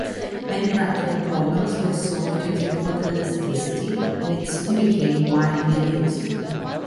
Many practical problems were solved using photoelasticity, and it soon became widely used.